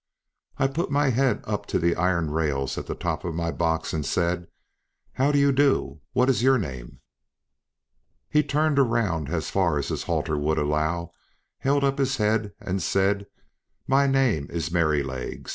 I put my head up to the iron rails at the top of my box, and said, "How do you do? What is your name?" He turned round as far as his halter would allow, held up his head, and said, "My name is Merrylegs.